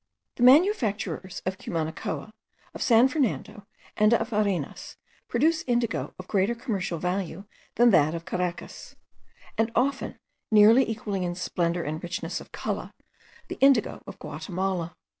The manufacturers of Cumanacoa, of San Fernando, and of Arenas, produce indigo of greater commercial value than that of Caracas; and often nearly equalling in splendour and richness of colour the indigo of Guatimala.